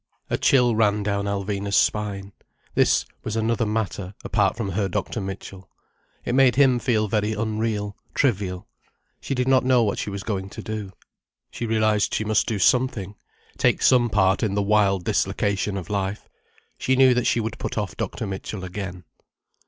A chill ran down Alvina's spine. This was another matter, apart from her Dr. Mitchell. It made him feel very unreal, trivial. She did not know what she was going to do. She realized she must do something—take some part in the wild dislocation of life. She knew that she would put off Dr. Mitchell again.